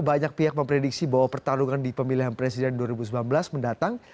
banyak pihak memprediksi bahwa pertarungan di pemilihan presiden dua ribu sembilan belas mendatang